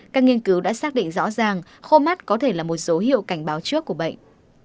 các nghiên cứu đã xác định rõ ràng khô mắt có thể là một số hiệu cảnh báo trước của bệnh